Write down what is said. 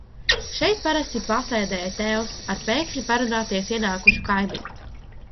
Šeit parasti pasēdēja tēvs ar pēkšņi parunāties ienākušu kaimiņu.